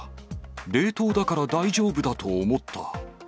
冷凍だから大丈夫だと思った。